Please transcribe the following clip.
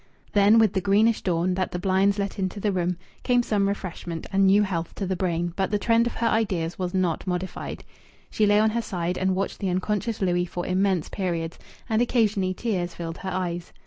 Then with the greenish dawn, that the blinds let into the room, came some refreshment and new health to the brain, but the trend of her ideas was not modified. She lay on her side and watched the unconscious Louis for immense periods, and occasionally tears filled her eyes.